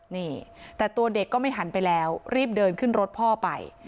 นี่แต่ตัวเด็กก็ไม่หันไปแล้วรีบเดินขึ้นรถพ่อไป